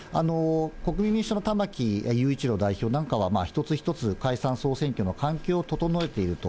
国民民主党の玉木雄一郎代表なんかは、一つ一つ解散・総選挙の環境を整えていると。